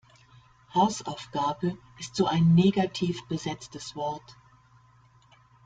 Hausaufgabe ist so ein negativ besetztes Wort.